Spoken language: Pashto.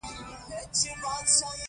د هند اساسي قانون ټولو ته حقوق ورکوي.